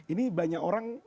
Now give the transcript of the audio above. ini banyak orang